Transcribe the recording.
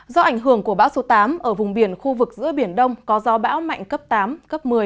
do ảnh hưởng của bão số tám ở vùng biển khu vực giữa biển đông có gió bão mạnh cấp tám cấp một mươi